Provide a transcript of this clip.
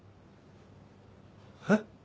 えっ？